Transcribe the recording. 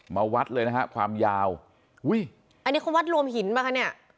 วัดเลยนะฮะความยาวอุ้ยอันนี้เขาวัดรวมหินป่ะคะเนี่ย